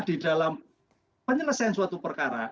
dalam penyelesaian suatu perkara